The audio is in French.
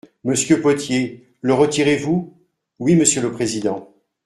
Monsieur Potier, le retirez-vous ? Oui, monsieur le président.